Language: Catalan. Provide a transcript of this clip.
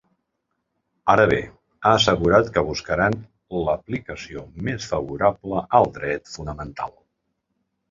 Ara bé, ha assegurat que buscaran “l’aplicació més favorable al dret fonamental”.